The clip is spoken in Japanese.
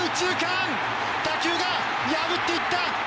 打球が破っていった。